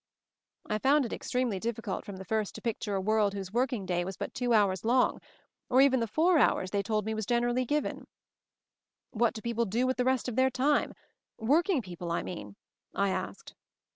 I found it extremely difficult from the first, to picture a world whose working day was but two hours long; or even the four hours they told me was generally given. "What do people do with the rest of their time; working people, I mean?" I asked.